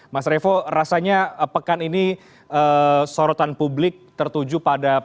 mas revo rasanya pekan ini sorotan publik tertuju pada